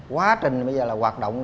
quá trình bây giờ là hoạt động